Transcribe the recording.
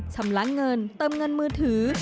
ชำระเงินเติมเงินมือถือ